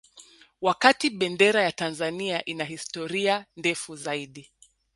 Wakati Bendera ya Tanzania ina historia ndefu zaidi